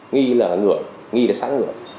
nghi là ngửa nghi là sáng ngửa